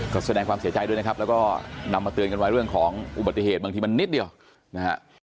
ก็แสดงความเสียใจด้วยนะครับแล้วก็นำมาเตือนกันไว้เรื่องของอุบัติเหตุบางทีมันนิดเดียวนะฮะ